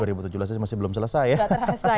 ini dua ribu tujuh belas masih belum selesai ya